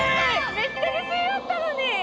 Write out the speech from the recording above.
めっちゃ自信あったのに。